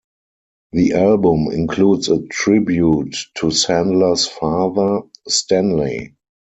The album includes a tribute to Sandler's father, Stanley.